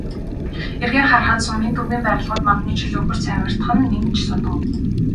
Эргэн харахад сумын төвийн барилгууд модны чөлөөгөөр цайвартах нь нэн ч содон.